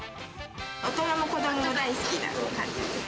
大人も子どもも大好きな感じ